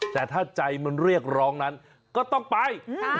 แต่ถ้าใจมันเรียกร้องนั้นก็ต้องไป